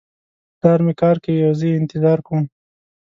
پلار مې کار کوي او زه یې انتظار کوم